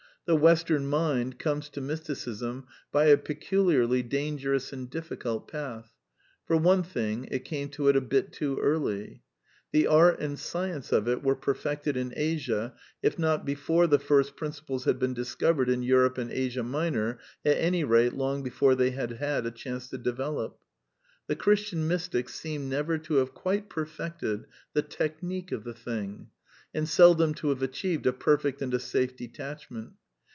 The Western mind comes to Mysticism by a peculiarly dangerous and difficult path. For one thing, it came to it a bit too early. The art and science of it were perfected in Asia, if not before the first principles had been discovered in Europe and Asia Minor, at any rate long before they had had a chance to develop. The Christian Mystics seem never to have quite perfected the technique of the thing; and seldom to have achieved a perfect and a safe detach ment.